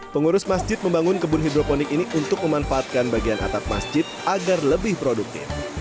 pengurus masjid membangun kebun hidroponik ini untuk memanfaatkan bagian atap masjid agar lebih produktif